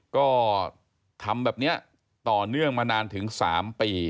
ก็ทำแบบนี้ต่อเนื่องมานานถึง๓ปี